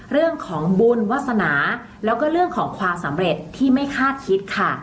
เรื่องของบุญวาสนาแล้วก็เรื่องของความสำเร็จที่ไม่คาดคิดค่ะ